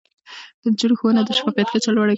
د نجونو ښوونه د شفافيت کچه لوړه کوي.